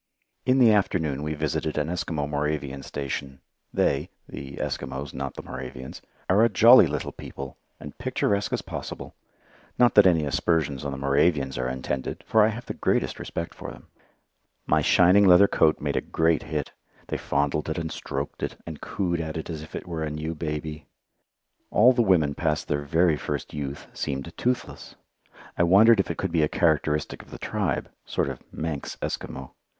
In the afternoon we visited an Eskimo Moravian station. They the Eskimos, not the Moravians are a jolly little people, and picturesque as possible. Not that any aspersions on the Moravians are intended, for I have the greatest respect for them. My shining leather coat made a great hit. They fondled it and stroked it, and coo ed at it as if it were a new baby. All the women past their very first youth seemed toothless. I wondered if it could be a characteristic of the tribe sort of Manx Eskimo.